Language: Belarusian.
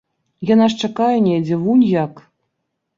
Яна ж чакае недзе, вунь як!